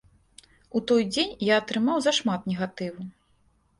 У той дзень я атрымаў зашмат негатыву.